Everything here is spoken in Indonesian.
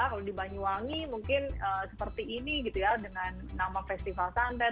kalau di banyuwangi mungkin seperti ini gitu ya dengan nama festival santan